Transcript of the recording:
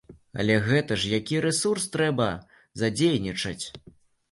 Але гэта ж які рэсурс трэба задзейнічаць!